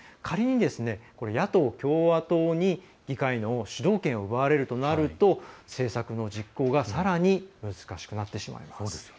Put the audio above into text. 仮に、野党・共和党に議会の主導権を奪われるとなると政策の実行がさらに難しくなってしまいます。